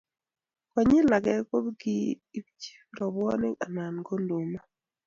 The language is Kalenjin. Konyil age kokiibchi robwonik anan ko ndumaa